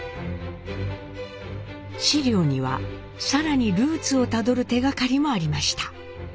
史料には更にルーツをたどる手がかりもありました。